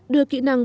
đây phải của cô nè